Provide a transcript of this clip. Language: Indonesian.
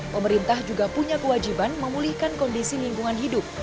pemerintah juga punya kewajiban memulihkan kondisi lingkungan hidup